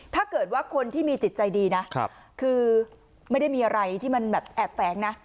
ถ้าเกิดว่าคนที่มีจิตใจดีนะคือไม่ได้มีอะไรที่มันแบบแอบแฝงนะ